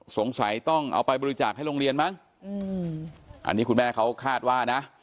สงสัยต้องเอาไปบริจาคให้โรงเรียนมั้งอืมอันนี้คุณแม่เขาคาดว่านะ